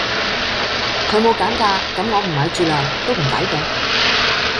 佢冇減價咁我唔買住啦都唔抵嘅